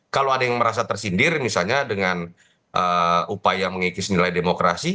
kalau ada yang merasa tersindir misalnya dengan upaya mengikis nilai demokrasi